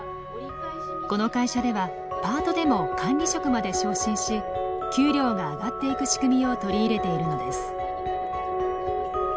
この会社ではパートでも管理職まで昇進し給料が上がっていく仕組みを取り入れているのです。